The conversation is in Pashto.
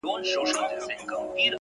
له تا قربان سم مهربانه بابا،